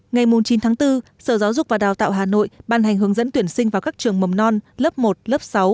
ngày chín tháng bốn sở giáo dục và đào tạo hà nội ban hành hướng dẫn tuyển sinh vào các trường mầm non lớp một lớp sáu